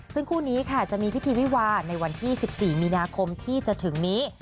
ซึ่งคู่นี้ค่ะจะมีพิธีวิวาในวันที่๑๔มีนาคมที่จะถึงนี้